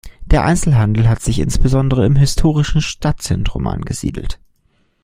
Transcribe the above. Der Einzelhandel hat sich insbesondere im historischen Stadtzentrum angesiedelt.